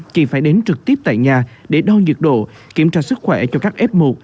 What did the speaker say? chị phải đến trực tiếp tại nhà để đo nhiệt độ kiểm tra sức khỏe cho các f một